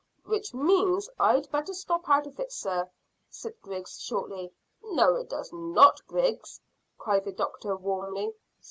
"Which means I'd better stop out of it, sir," said Griggs shortly. "No, it does not, Griggs," cried the doctor warmly.